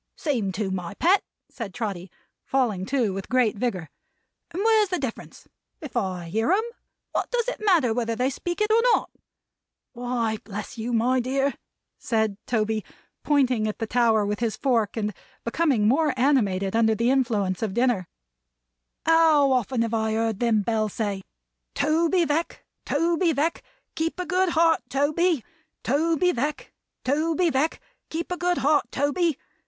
"Seem to, my Pet," said Trotty, falling to with great vigor. "And where's the difference? If I hear 'em, what does it matter whether they speak it or not? Why bless you, my dear," said Toby, pointing at the tower with his fork, and becoming more animated under the influence of dinner, "how often have I heard them bells say, 'Toby Veck, Toby Veck, keep a good heart Toby! Toby Veck, Toby Veck, keep a good heart Toby!'